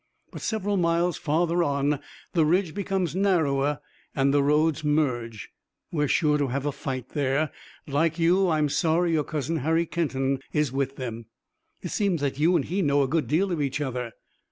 But several miles farther on the ridge becomes narrower and the roads merge. We're sure to have a fight there. Like you, I'm sorry your cousin Harry Kenton is with them." "It seems that you and he know a good deal of each other."